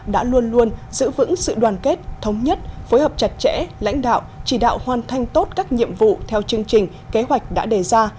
đã luôn luôn giữ vững sự đoàn kết thống nhất phối hợp chặt chẽ lãnh đạo chỉ đạo hoàn thành tốt các nhiệm vụ theo chương trình kế hoạch đã đề ra